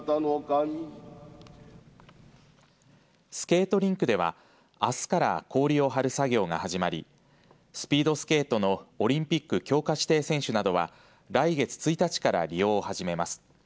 スケートリンクではあすから氷を張る作業が始まりスピードスケートのオリンピック強化指定選手などは来月１日から利用を始めます。